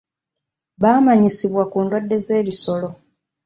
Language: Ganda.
Baamanyisibwa ku ndwadde z'ebisolo.